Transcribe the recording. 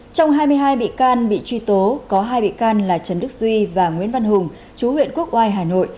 trong hai mươi hai bị can bị truy tố có hai bị can là trần đức duy và nguyễn văn hùng chú huyện quốc oai hà nội